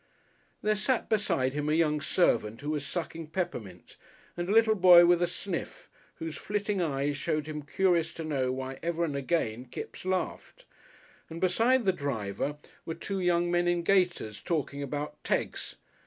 There sat beside him a young servant who was sucking peppermint and a little boy with a sniff, whose flitting eyes showed him curious to know why ever and again Kipps laughed, and beside the driver were two young men in gaiters talking about "tegs."